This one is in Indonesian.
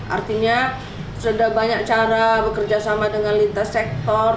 artinya sudah banyak cara bekerja sama dengan lintas sektor